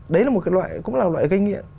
đấy cũng là một loại gây nghiện